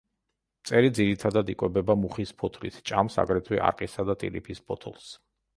მწერი ძირითადად იკვებება მუხის ფოთლით, ჭამს აგრეთვე არყისა და ტირიფის ფოთოლს.